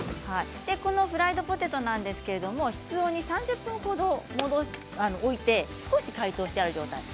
フライドポテトなんですけれども室温に３０分程置いて少し解凍してある状態です。